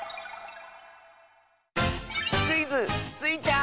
クイズ「スイちゃん」！